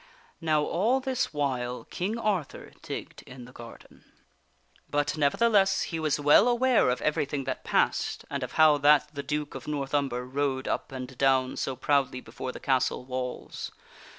Now all this while King Arthur digged in the garden; but, nevertheless, he was well aware of everything that passed and of how that the Duke of North Umber rode up and down so proudly before the castle walls.